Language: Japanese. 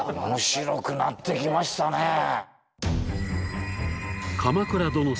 面白くなってきましたね。